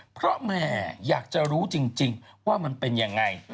เพราะแม่อยากจะรู้จริงว่ามันเป็นยังไง